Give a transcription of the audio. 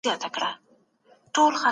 صنعتي سکتور څنګه پانګونه جذبوي؟